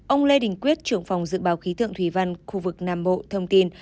ông lê đình quyết trưởng phòng dự báo khí tượng thủy văn khu vực nam bộ thông tin